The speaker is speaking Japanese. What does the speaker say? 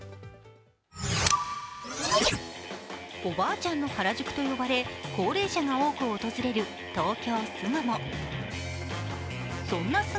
おばあちゃんの原宿と呼ばれ高齢者が多く訪れる東京・巣鴨。